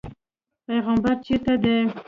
پیغمبر چېرته دی.